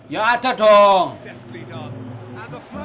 ya ada dong